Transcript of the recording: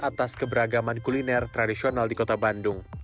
atas keberagaman kuliner tradisional di kota bandung